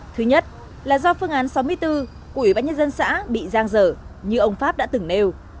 thứ nhất là do phương án sáu mươi bốn của ủy ban nhân dân xã bị giang dở như ông pháp đã từng nêu